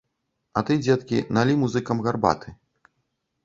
А ты, дзеткі, налі музыкам гарбаты!